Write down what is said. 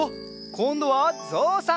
こんどはぞうさん！